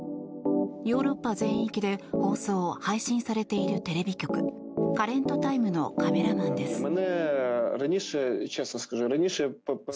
ヨーロッパ全域で放送・配信されているテレビ局カレントタイムのカメラマンです。